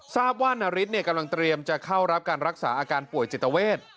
ทราบว่านาริสกำลังเตรียมจะเข้ารับการรักษาอาการป่วยจิตเวท